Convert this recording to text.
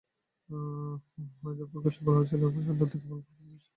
Weather ফোরকাস্টে বলা ছিল সন্ধ্যার দিকে অল্প কিছু বৃষ্টির সম্ভাবনা আছে।